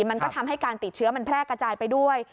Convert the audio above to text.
มันก็ทำให้การติดเชื้อมันแพร่กระจายไปด้วย